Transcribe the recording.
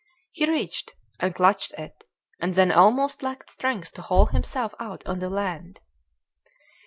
He reached, and clutched it, and then almost lacked strength to haul himself out on the land.